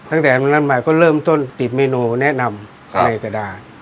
ตั้งแต่เมือนกันเริ่มต้นติดเมนูแนะนำในกระดาษ